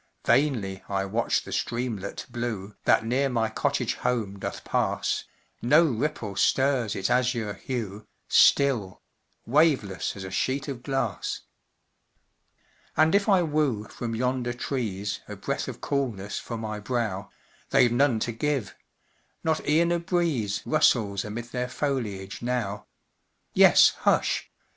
Vainly I watch the streamlet blue That near my cottage home doth pass, No ripple stirs its azure hue, Still waveless, as a sheet of glass And if I woo from yonder trees A breath of coolness for my brow, They've none to give not e'en a breeze Rustles amid their foliage now; Yes, hush!